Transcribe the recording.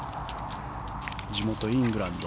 地元イングランド。